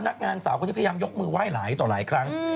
นักงานสาวคนนี้พยายามยกมือไหว้หลายต่อหลายครั้ง